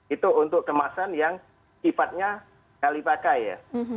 itu untuk kemasan yang sifatnya kali pakai ya